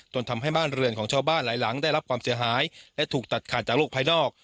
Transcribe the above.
ทำให้บ้านเรือนของชาวบ้านหลายหลังได้รับความเสียหายและถูกตัดขาดจากโลกภายนอก